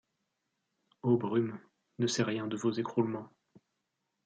Ô brumes, ne sait rien de vos écroulements